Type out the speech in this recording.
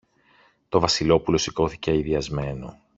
Το Βασιλόπουλο σηκώθηκε αηδιασμένο.